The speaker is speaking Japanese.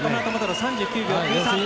３９秒９３。